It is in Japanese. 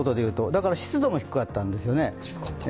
だから湿度も低かったんですよね。